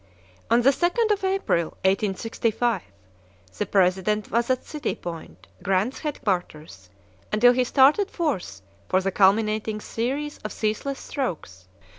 On the 2d of April, 1865, the President was at City Point, Grant's headquarters, until he started forth for the culminating series of ceaseless strokes.